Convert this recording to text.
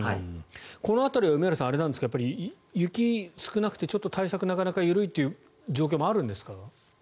この辺りは梅原さん雪が少なくてちょっと対策が緩いという状況もあるんですか？